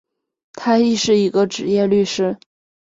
他亦是一个执业律师。